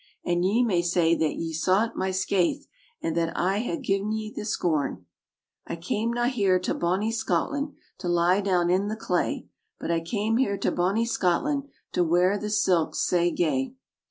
And ye may say that ye sought my skaith, And that I hae gi'en ye the scorn. "I cam' na here to bonny Scotland To lie down in the clay; But I cam' here to bonny Scotland, To wear the silks sae gay!